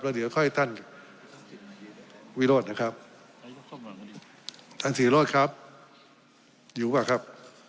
แล้วเดี๋ยวค่อยให้ท่านวิรถนะครับท่านสี่รถครับอยู่ป่ะครับ